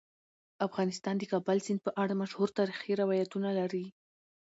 افغانستان د د کابل سیند په اړه مشهور تاریخی روایتونه لري.